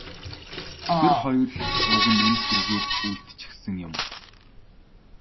Тэр хоёр л уг нь энэ хэргийг үйлдчихсэн юм.